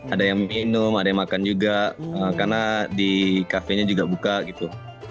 ada yang minum ada yang makan juga karena di kafe nya juga buka gitu